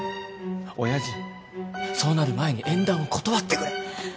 親父そうなる前に縁談を断ってくれ。